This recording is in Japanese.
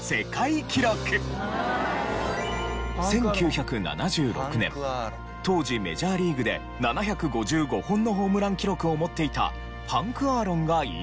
１９７６年当時メジャーリーグで７５５本のホームラン記録を持っていたハンク・アーロンが引退。